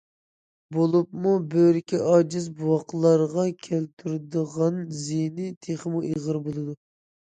بولۇپمۇ بۆرىكى ئاجىز بوۋاقلارغا كەلتۈرىدىغان زىيىنى تېخىمۇ ئېغىر بولىدۇ.